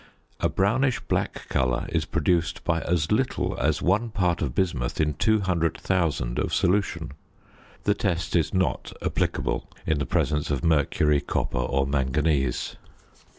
A brownish black colour is produced by as little as one part of bismuth in 200,000 of solution. The test is not applicable in the presence of mercury, copper, or manganese.